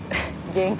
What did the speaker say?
元気。